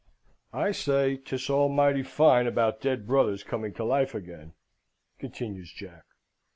"I say, 'tis all mighty fine about dead brothers coming to life again," continues Jack.